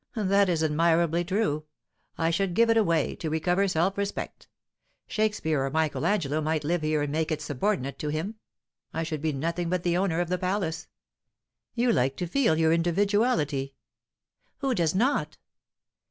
"That is admirably true! I should give it away, to recover self respect. Shakespeare or Michael Angelo might live here and make it subordinate to him; I should be nothing but the owner of the palace. You like to feel your individuality?" "Who does not?"